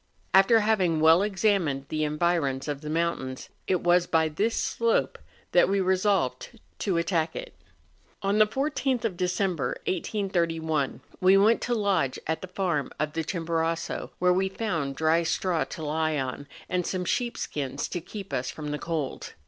After having well examined the environs of the moun¬ tains, it was by this slope that we resolved to attack it. On the 14th of December, 1831, we went to lodge at the farm of the Chimborazo, where we found dry straw to lie on, and some sheep skins to keep us from the cold.